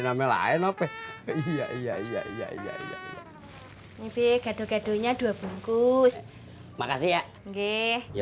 nama lain apa iya iya iya iya iya gado gadonya dua bungkus makasih ya oke ya